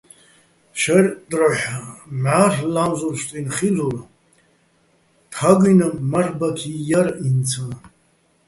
შაჲრ დროჰ̦ მჵა́რლ' ლა́მზურ ფსტუჲნო̆ ხილ'ურ, თაგუ́ჲნი̆ მარლ'ბაქი ჲარ ინცა́.